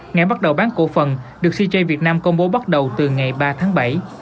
ngày bắt đầu bán cổ phần được cj việt nam công bố bắt đầu từ ngày ba tháng bảy